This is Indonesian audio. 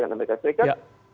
indonesia dengan amerika serikat